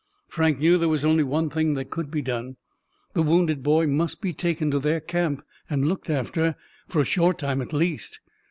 Frank knew there was only one thing that could be done: the wounded boy must be taken to their camp and looked after, for a short time at least.